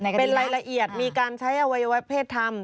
กระทำต่ออวัยวะเพศทำ